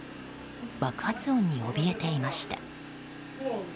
爆発音におびえていました。